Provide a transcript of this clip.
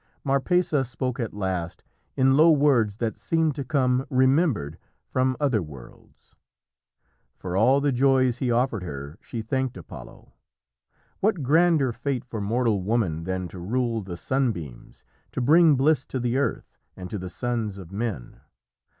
Marpessa spoke at last, in low words that seemed to come "remembered from other worlds." For all the joys he offered her she thanked Apollo. What grander fate for mortal woman than to rule the sunbeams to bring bliss to the earth and to the sons of men?